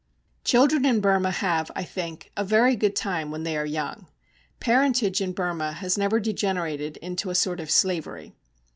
Children in Burma have, I think, a very good time when they are young. Parentage in Burma has never degenerated into a sort of slavery.